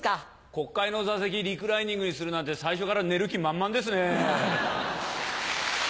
国会の座席リクライニングにするなんて最初から寝る気満々ですねぇ。